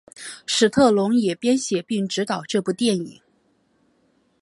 史特龙也编写并执导这部影片。